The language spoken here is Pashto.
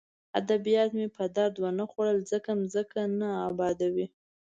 ادبیات مې په درد ونه خوړل ځکه ځمکه نه ابادوي